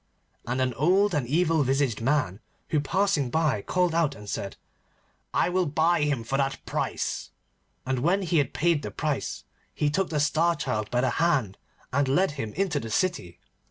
And an old and evil visaged man who was passing by called out, and said, 'I will buy him for that price,' and, when he had paid the price, he took the Star Child by the hand and led him into the city.